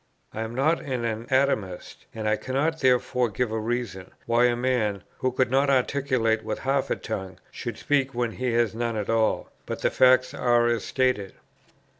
I am not an anatomist, and I cannot therefore give a reason, why a man, who could not articulate with half a tongue, should speak when he had none at all; but the facts are as stated."